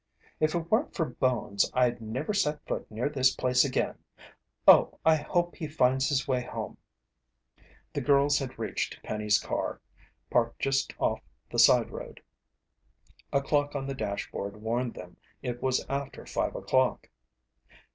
"If it weren't for Bones, I'd never set foot near this place again! Oh, I hope he finds his way home." The girls had reached Penny's car, parked just off the sideroad. A clock on the dashboard warned them it was after five o'clock.